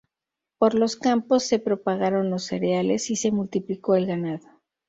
Por los campos se propagaron los cereales y se multiplicó el ganado.